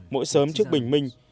mỗi sớm trước bình minh